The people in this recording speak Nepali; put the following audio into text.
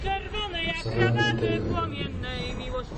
समय बित्दै गयो ।